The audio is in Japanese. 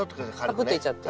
カプッといっちゃって。